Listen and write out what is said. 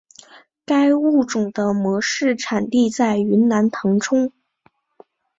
该物种的模式产地在云南腾冲。